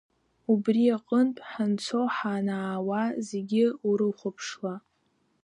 Убри аҟынтә, ҳанцоҳанаауа зегьы урыхәаԥшла.